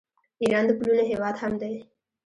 ایران د پلونو هیواد هم دی.